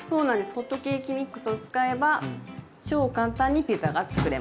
ホットケーキミックスを使えば超簡単にピザが作れます。